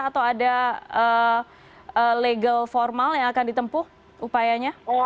atau ada legal formal yang akan ditempuh upayanya